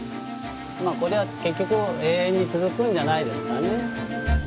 まあこれは結局永遠に続くんじゃないですかね。